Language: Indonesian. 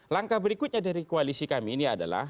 langkah berikutnya dari koalisi kami ini adalah